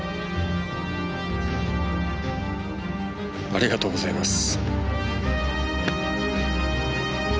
ありがとうございます。